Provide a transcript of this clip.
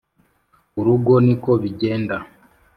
urugo ni ko bigenda